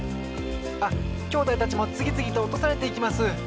あっきょうだいたちもつぎつぎとおとされていきます！